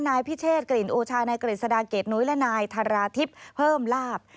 นายพิเศษกระหลิงโอชานายกระหลิงสดาเกดหนุ๊ยละนายทาราทิพย์เพิ่มลาบ